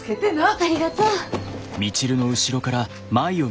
ありがとう。